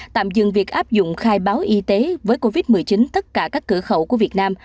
tạm dừng việc áp dụng khai báo y tế với covid một mươi chín tất cả các cửa khẩu của việt nam